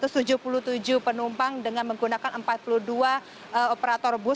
sedangkan hari ini ada tiga ratus tujuh puluh tujuh penumpang dengan menggunakan empat puluh dua operator bus